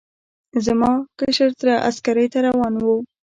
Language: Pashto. زما کشر تره عسکرۍ ته روان و.